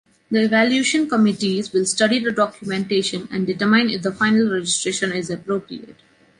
The evaluation committees will study the documentation and determine if the final registration is appropriate.